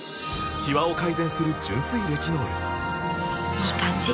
いい感じ！